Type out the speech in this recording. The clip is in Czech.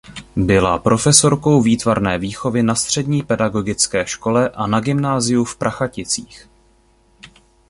Byla profesorkou výtvarné výchovy na Střední pedagogické škole a na Gymnáziu v Prachaticích.